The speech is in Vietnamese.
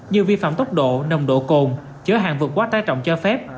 như vi phạm tốc độ nồng độ cồn chở hàng vực quá trái trọng cho phép